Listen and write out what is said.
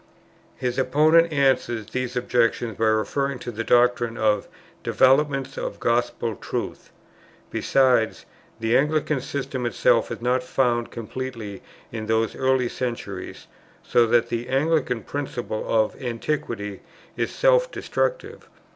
His opponent answers these objections by referring to the doctrine of "developments of gospel truth." Besides, "The Anglican system itself is not found complete in those early centuries; so that the [Anglican] principle [of Antiquity] is self destructive."